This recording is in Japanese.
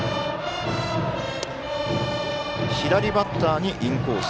左バッターに、インコース。